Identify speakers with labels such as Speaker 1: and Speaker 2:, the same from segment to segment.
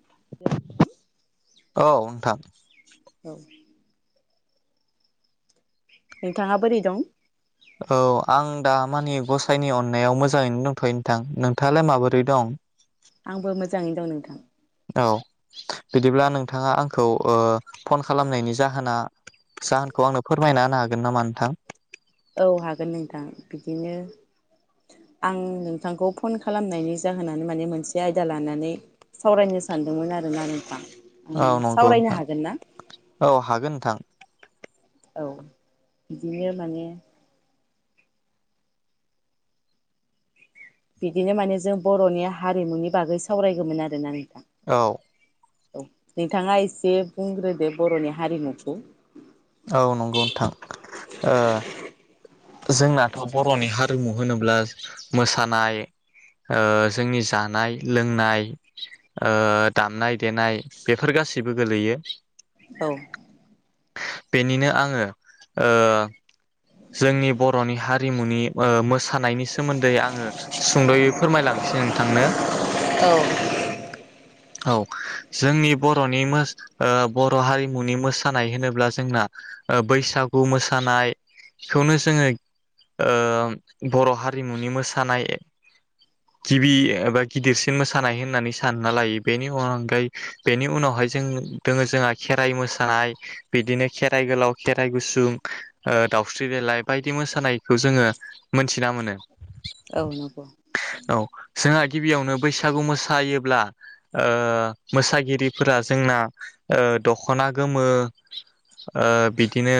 Speaker 1: [unintelligible]
Speaker 2: औ नोंथां।
Speaker 1: औ! नोंथाङा बोरै दं?
Speaker 2: औ आं दामानि गसाइनि अननायाव मोजाङैनो दंथयो नोंथां नोंथाङालाय माबोरै दं?
Speaker 1: आंबो मोजाङैनो दं नोंथां।
Speaker 2: औ बिदिब्ला नोंथाङा आंखौ ओ फन खालामनायनि जाहोना जाहोनखौ आंनो फोरमायना होनो हागोन नामा नोंथां?
Speaker 1: औ हागोन नोंथां। बिदिनो आं नोंथांखौ फन खालामनायनि जाहोनानो माने मोनसे आयदा लानानै सावरायनो सानदोंमोन आरोना नोंथां!
Speaker 2: औ नंगौ
Speaker 1: सावरायनो
Speaker 2: नोंथां
Speaker 1: हागोन ना
Speaker 2: औ हागोन नोंथां।
Speaker 1: औ बिदिनो माने - बिदिनो माने जों बर'नि हारिमुनि बागै सावरायगौमोन आरोना ना।
Speaker 2: औ-
Speaker 1: औ नोंथाङा एसे बुंग्रोदो बर'नि हारिमुखौ
Speaker 2: औ नंगौ नोंथां ओ जोंनाथ' बर'नि हारिमु होनोब्ला मोसानाय ओ जोंनि जानाय लोंनाय ओ दामनाय देनाय बेफोर गासैबो गोलैयो।
Speaker 1: औ।
Speaker 2: बेनिनो आङो ओ जोंनि बर'नि हारिमुनि ओ मोसानायनि सोमोन्दै आङो सुंद'यै फोरमायलांसै नोंथांनो औ जोंनि बर'नि मोस ओ बर' हारिमुनि मोसानाय होनोब्ला जोंना ओ बैसागु मोसानाय खौनो जोङो ओ बर' हारिमुनि मोसानाय गिबि एबा गिदिरसिन मोसानाय होननानै सानना लायो बेनि अनगायै बेनि उनावहाय जों दङ जोंहा खेराइ मोसानाय बिदिनो खेराइ गोलाव खेराइ गुसुं ओ दउ दावस्रि देलााय बायदि मोसानायखौ जोङो मोनथिना मोनो।
Speaker 1: औ नंगौ।
Speaker 2: औ जोंहा गिबियावनो बैसागु मोसायोब्ला ओ मोसागिरिफोरा जोंना ओ दख'ना गोमो ओ बिदिनो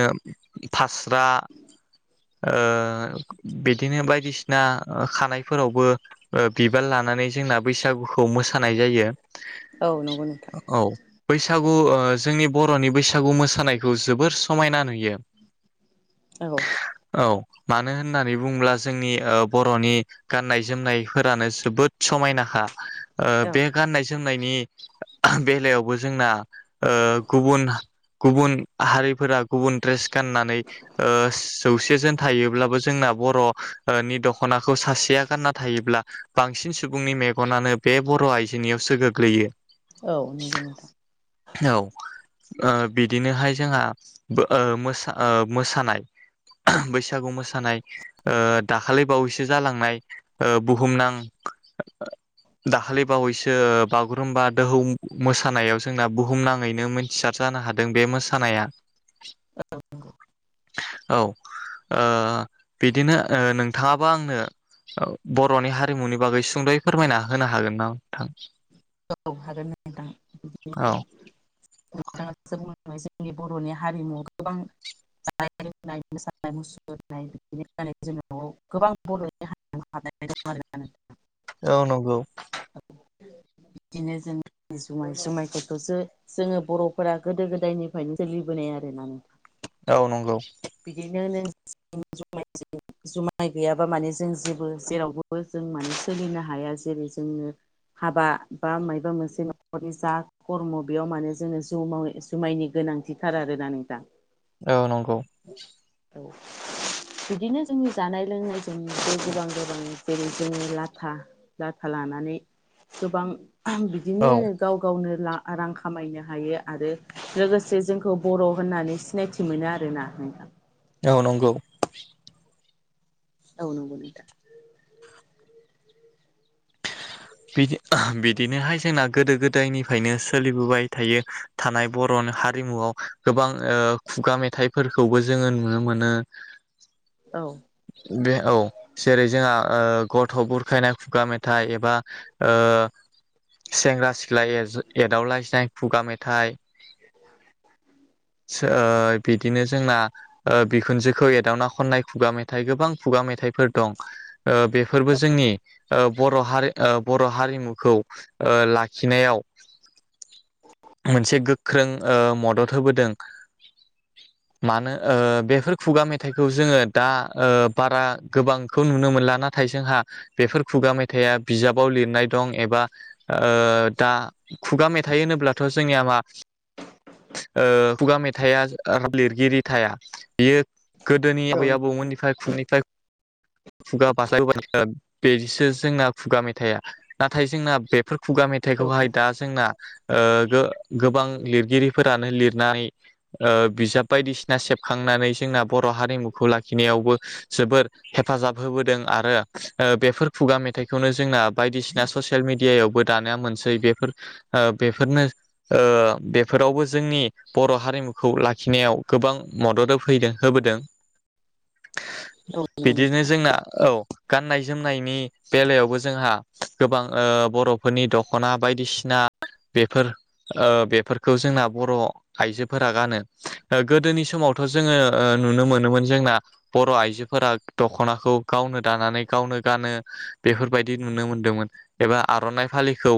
Speaker 2: फास्रा ओ बिदिनो बायदिसिना खानायफोरावबो ओ बिबार लानानै जोंना बैसागुखौ मोसानाय जायो।
Speaker 1: औ नंगौ नोंथां।
Speaker 2: औ बैसागु ओ जोंनि बर'नि बैसागु मोसानायखौ जोबोर समायना नुयो।
Speaker 1: औ
Speaker 2: औ मानो होननानै बुङोब्ला जोंनि ओ बर'नि गाननाय जोमनायफोरानो जोबोद समायनाखा ओ
Speaker 1: औ
Speaker 2: बे गाननाय जोमनायनि बेलायावबो जोंना ओ गुबुन गुबुन हारिफोरा गुबुन ड्रेस गाननानै ओ जौसे जोन थायोब्लाबो जोंना बर'नि दखनाखौ सासेया गानना थायोब्ला बांसिन सुबुंनि मेगनानो बे बर' आइजोनियावसो गोग्लैयो।
Speaker 1: औ नंगौ नोंथां
Speaker 2: औ ओ बिदिनोहाय जोंहा ओ मोसा मोसानाय बैसागु मोसानाय ओ दाखालि बावैसो जालांनाय ओ बुहुमनां दाखालि बावैसो बागुरुमबा दोहौ मोसानायावो जोंना बुहुमनााङैनो मिथिसार जानो हादों बे मोसानाया औ ओ बिदिनो ओ नोंथाङाबो आंनो बर'नि हारिमुनि बागै सुंद'यै फोरमायना होनो हागोन ना नोंथां
Speaker 1: औ हागोन नोंथां।
Speaker 2: औ
Speaker 1: बुं जोंनि बर'नि हारिमु गोबां जानाय लोंनाय मोसानाय मुसुरनाय बि होननानै जो [unintelligible] गोबां बर'नि हारिमु बनाय दं आरो
Speaker 2: औ नंगौ।
Speaker 1: बिदिनो जों जुमाय जुमायफोरखौसो जोङो बर' फोरा गोदो गोदायनिफ्रायनो सोलिबोनाय आरो ना नों
Speaker 2: औ नंगौ
Speaker 1: [unintelligible] जुमाय गैयाबा माने जों जेबो जेरावबोबो जों माने सोलिनो हाया जेरै जोंनो हाबा बा मायबा मोनसे न'खरनि जा खर्म' बेयाव माने जोङो जुमायनि गोनांथिथार आरोना नोंथां
Speaker 2: औ नंगौ।
Speaker 1: औ बिदिनो जोंनि जानाय लोंनायजों गोबां गोबां जेरै जोङो लाथा लाथा लानानै गोबां
Speaker 2: औ
Speaker 1: बिदिनो गाव गावनो ला रां खामायनो हायो। आरो लोगोसे जोंखौ बर' होननानै सिनायथि मोनो आरोना नोंथां।
Speaker 2: औ नंगौ
Speaker 1: औ नंगौ नोंथां
Speaker 2: बिदि बिदिनोहाय जोंना गोदो गोदायनिफ्रायनो सोलिबोबाय थायो थानाय बर'नि हारिमुआव गोबां ओ खुगा मेथाइफोरखौबो जोङो नुनो मोनो
Speaker 1: औ
Speaker 2: बे औ जेरै जोंहा गथ' बुरखायनाय खुगा मेथाइ एबा ओ सेंग्रा सिख्ला एदावलायसनाय खुगा मेथाइ सो आ बिदि ने जोंना बिखुनजोखौ एदावना खननाय खुगा मेथाइ गोबां खुगा मेथाइफोर दं बेफोरबो जोंनि बर' हारि बर' हारिमुखौ लाखिनायाव मोनसे गोख्रों मदद होबोदों मानो बेफोर खुगा मेथाइखौ जोङो दा बारा गोबांखौ नुनो मोनला नाथाय जोंहा बेफोर खुगा मेथाइया बिजाबाव लिरनाय दं एबा दा खुगा मेथाइ होनोब्लाथ' जोंनिया मा ओ खुगा मेथाइआ लिरगिरि थाया बियो गोदोनि
Speaker 1: औ
Speaker 2: आबै आबौमोननिफ्राय खुननिफ्राय खुगा बास्लाय बास्लाय बेदिसो जोंना खुगा मेथाइआ नाथाय जोंना बेफोर खुगा
Speaker 1: औ नंगौ
Speaker 2: मेथाइखौहाय
Speaker 1: नोंथां
Speaker 2: दा जोंना ओ गो गोबां लिरगिरिफोरानो लिर नानै बिजाब बायदिसिना सेबखांनानै जोंना बर' हारिमुखौ लाखिनायावबो जोबोर हेफाजाब होबोदों आरो बेफोर खुगा मेथाइ थाइखौनो जोंना बायदिसिना ससियेल मेडियायावबो दानिया मोनसै बेफोर बेफोरनो बेफोरावबो जोंनि बर' हारिमुखौ लाखिनायाव गोबां मदद होफैदों होबोदों।
Speaker 1: औ
Speaker 2: बिदिनो जोंना औ गाननाय जोमनायनि बेलायावबो जोंहा गोबां बर'फोरनि दख'ना बायदिसिना बेफोर बेफोरखौ जोंना बर' आइजोफोरा गानो गोदोनि समावथ' जोङो नुनो मोनोमोन जोंना बर' आइजोफोरा दख'नाखौ गावनो दानानै गावनो गानो बेफोरबायदि नुनो मोनदोंमोन एबा आर'नाइ फालिखौ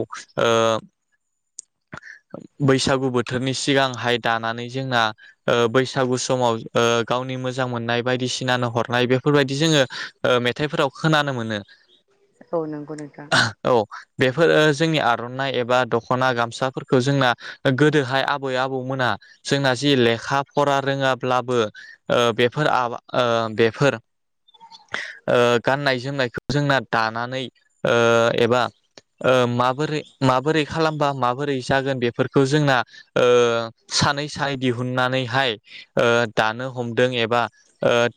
Speaker 2: बैसागु बोथोरनि सिगांहाय दानानै जोंना बैसागु समाव गावनि मोजां मोननाय बायदिसिनानो हरनाय बेफोरबायदि जोङो मेथाइफोराव खोनानो मोनो।
Speaker 1: औ नंगौ नोंथां
Speaker 2: औ बेफोर जोंनि आर'नाइ एबा दख'ना गामसाफोरखौ जोंना गोदोहाय आबै आबौ मोना जोंना जि लेखा फरा रोङाब्लाबो बेफोर बेफोर गाननाय जोमनायखौ जोंना दानानै ओ एबा ओ माबोरै माबोरै खालामबा माबोरै जागोन बेफोरखौ जोंना ओ सानै सानै दिहुननानैहाय ओ दानो हमदों एबा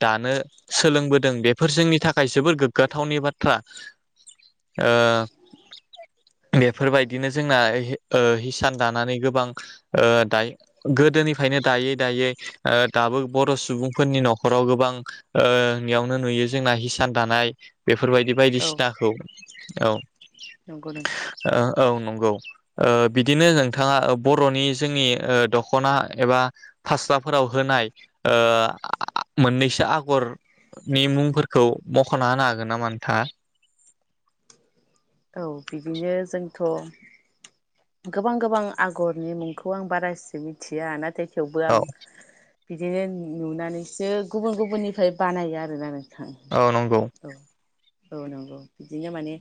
Speaker 2: दानो सोलोंबोदों बेफोर जोंनि थाखाय जोबोर गोग्गाथावनि बाथ्रा ओ बेफोरबायदिनो जोंना हिसान दानानै गोबां दायो गोदोनिफ्रायनो दायै दायै दाबो बर' सुबुंफोरनि न'खराव गोबां नियावनो नुयो जोंना हिसान दानाय बे बेफोरबायदि बायदि
Speaker 1: औ
Speaker 2: सिनाखौ
Speaker 1: नंगौ नोंथां
Speaker 2: औ औ नं औ ओ बिदिनो नोंथाङा बर'नि जोंनि दख'ना एबा फासराफोराव होनाय मोननैसो ओ आगरनि मुंफोरखौ मख'ना होनो हागोन नामा नोंथां आ
Speaker 1: औ बिदिनो जों थ' गोबां गोबां आगरनि मुंखौ आं बारा इसे मिथिया नाथाय थेवबो आं
Speaker 2: औ
Speaker 1: बिदिनो नुनानैसो गुबुन गुबुननिफ्राय बानायो आरोना
Speaker 2: औ नंगौ
Speaker 1: औ औ नंगौ बिदिनो माने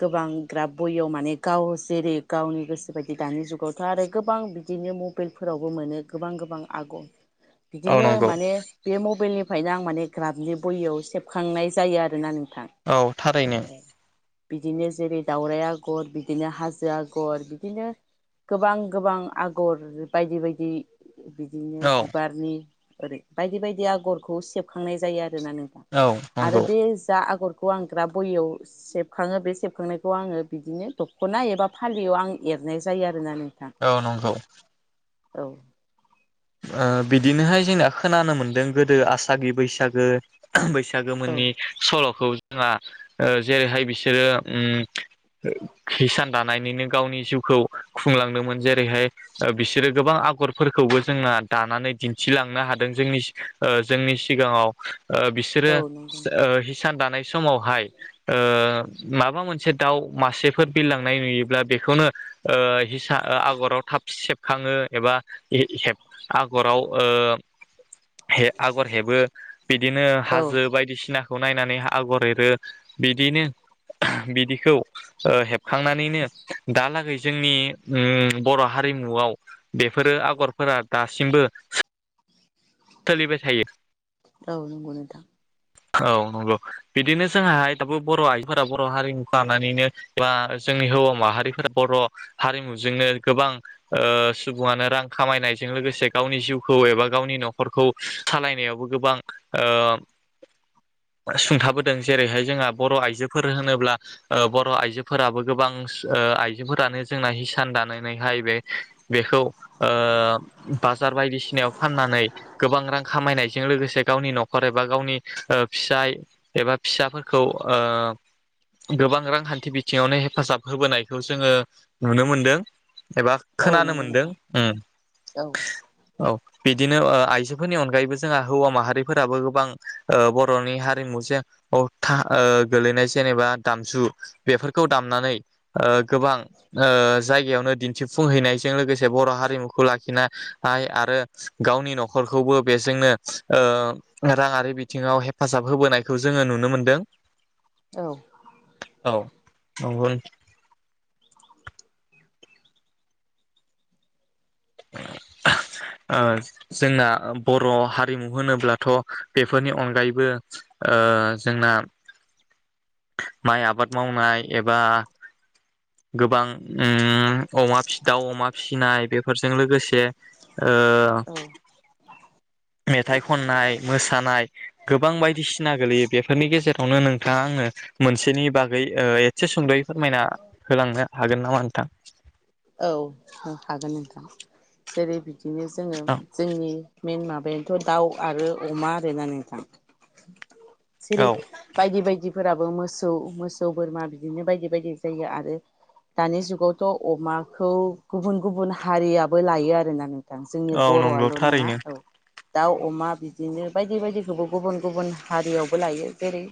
Speaker 1: गोबां ग्राब बहियाव माने गाव जेरै गावनि गोसो बायदि दानि जुगावथ' आरो गोबां बिदिनो मबाइलफोरावबो मोनो गोबां गोबां आगर
Speaker 2: औ
Speaker 1: बिदिनो
Speaker 2: नंगौ
Speaker 1: माने बे म मबाइलनिफ्रायनो आं माने ग्राबनि बहियाव सेबखांनाय जायो आरोना नों
Speaker 2: औ थारैनो
Speaker 1: बिदिनो जेरै दावराइ आगर बिदिनो हाजो आगर बिदिनो गोबां गोबां आगर बायदि बायदि बिदिनो
Speaker 2: औ
Speaker 1: बिबारनि ओरै बायदि बायदि आगरखौ सेबखांनाय जायो आरो।
Speaker 2: औ
Speaker 1: आरो
Speaker 2: नंगौ
Speaker 1: बे जा आगर खौ आं ग्राब बहियाव सेब खाङो बे सेबखांनायखौ आङो बिदिनो दख'ना एबा फालियाव आं एरनाय जायो आरो।
Speaker 2: औ नोंगौ
Speaker 1: औ
Speaker 2: ओ बिदिनोहाय जोंना खोनानो मोन्दों गोदो आसागि बैसागो
Speaker 1: औ
Speaker 2: बैसागोमोननि सल'खौ जोंहा जेरैहाय बिसोरो ओम किसान दानायनिनो गावनि जिउखौ खुंलांदोंमोन जेरैहाय ओ बिसोरो गोबां आगरफोरखौबो जोंना दानानै दिन्थिलांनो हादों जोंनि सि ओ जोंनि सिगाङाव ओ बिसोरो
Speaker 1: औ नंगौ
Speaker 2: ओ हिसान दानाय समावहाय ओ माबा मोनसे दाउ मासेफोर बिरलांनाय नुयोब्ला बेखौनो ओ हिसा ओ आगराव थाब सेबखाङो एबा ए हेब आगराव ओ हे आगर हेबो बिदिनो
Speaker 1: औ
Speaker 2: हाजो बायदिसिना खौ नायनानै आगर एरो बिदिनो बिदिखौ ओ हेबखांनानैनो दालागै जोंनि बर' हारिमुआव बेफोरो आगरफोरा दासिमबो सोलिबाय थायो
Speaker 1: औ नोंगौ नोंथां
Speaker 2: औ नोंगौ बिदिनो जोंहाय दाबो बर' आइफोरा बर' हारिमुखौ लानानैनो बा जोंनि हौवा माहारिफोरा बर' हारिमुजोंनो गोबां ओ सुबुङानो रां खामायनायजों लोगोसे गावनि जिउखौ एबा गावनि न'खर खौ सालायनायावबो गोबां ओ सुंथाबोदों जेरैहाय जोंहा बर' आइजोफोर होनोब्ला ओ बर' आइजोफोराबो गोबां आइजोफोरानो जोंना हिसान दानानैहाय बे बेखौ बाजार बायदिसिनायाव फाननानै गोबां रां खामायनायजों लोगोसे गावनि न'खर एबा गावनि ओ फिसाय एबा फिसाफोरखौ ओ गोबां रांखान्थि बिथिङावनो हेफाजाब होबोनायखौ जोङो नुनो मोनदों एबा
Speaker 1: औ
Speaker 2: खोनानो
Speaker 1: नंगौ
Speaker 2: मोनदों
Speaker 1: नोंथां औ
Speaker 2: औ बि दिनो आइ जोफोरनि अनगायैबो जोंहा हौवा माहारिफोराबो गोबां ओ बर'नि हारिमुजों ओ गोलैनाय जेनेबा दामजु बेफोरखौ दामनानै ओ गोबां ओ जायग बेयावनो दिन्थिफुंहैनायजों लोगोसे बर' हारिमुखौ लाखिनाय आरो गावनि न'खर नखरखौबो बेजोंनो ओ राङारि बिथिङाव हेफाजाब होबोनायखौ जोङो नुनो मोनदों
Speaker 1: औ
Speaker 2: औ नंग ओ जोंना बर' हारिमु होनोब्लाथ' बेफोरनि अनगायैबो ओ जोंना माइ आबाद मावनाय एबा गोबां उम अमा फि दावअमा फिनाय बेफोरजों लोगोसे ओ
Speaker 1: औ
Speaker 2: मेथाइ खननाय मोसानाय गोबां बायदिसिना गोलैयो बेफोरनि गेजेरावनो नोंथाङा आङो मोनसेनि बागै ओ एसे सुंद'यै फोरमायनानै होलांनो हागोन नामा नोंथां?
Speaker 1: औ हागोन नोंथां जेरै बिदि बिदिनो जोङो
Speaker 2: औ
Speaker 1: जोंनि मेन माबाया दाउ आरो अमा ओरोना नोंथां। सिरि
Speaker 2: औ
Speaker 1: बायदि- बायदि फोराबो मोसौ -मोसौ, बोरमा, बिदिनो बायदि -बायदि जायो आरो दानि जुगावथ' अमा खौ गुबुन- गुबुन हारियाबो लायो आरोना। नोंथां जोंनि
Speaker 2: औ नंगौ
Speaker 1: बर'आल' नङा
Speaker 2: थारैनो
Speaker 1: औ दाउ- अमा बिदिनो बायदि -बायदिखौबो गुबुन -गुबुन हारियावबो लायो जेरै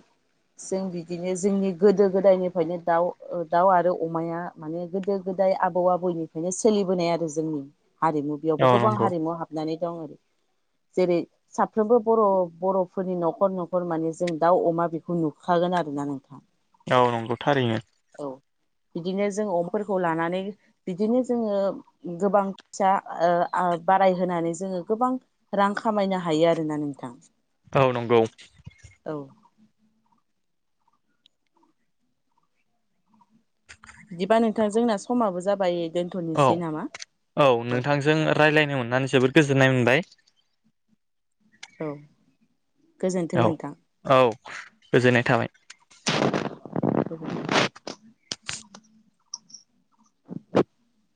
Speaker 1: जों बिदिनो जोंनि गोदो गोदायनिफ्रायनो दाउ -दाउ आरो अमाया माने गोदो- गोदाय आबौ -आबौनिफ्रायनो सोलिबोनाय आरो जोंनि हारिमु बेयावबो
Speaker 2: औ
Speaker 1: गोबां
Speaker 2: नंगौ
Speaker 1: हारिमु हाबनानै औ जेरै साफ्रोमबो बर' बर'फोरनि न'खर न'खर माने जों दाउ अमा बेखौ नुखागोन आरो ना नोंथां।
Speaker 2: औ नंगौथारैनो।
Speaker 1: औ बिदिनो जों अम फोरखौ लानानै बिदिनो जोङो गोबां फैसा बारायहोनानै जोङो गोबां रां खामायनो हायो आरोना नोंथां।
Speaker 2: औ नंगौ।
Speaker 1: औ ओ जोंना समाबो जाबाय
Speaker 2: औ
Speaker 1: दोनथ'नोसै नामा
Speaker 2: -औ
Speaker 1: औ
Speaker 2: नोंथांजों रायज्लायनो मोननानै जोबोद गोजोननाय मोनबाय।
Speaker 1: औ। गोजोन्थों
Speaker 2: औ
Speaker 1: नोंथां।
Speaker 2: औ गोजोननाय थाबाय।
Speaker 1: [inaudible]